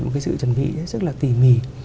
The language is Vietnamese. một cái sự chuẩn bị rất là tỉ mỉ